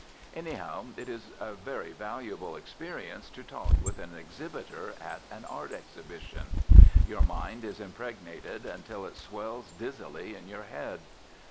Anyhow, it is a very valuable experience to talk with an exhibitor at an art exhibition. Your mind is impregnated, until it swells dizzily in your head.